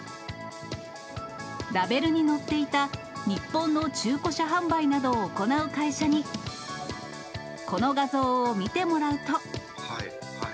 ラベルに載っていた、日本の中古車販売などを行う会社に、この画像を見てもらうと。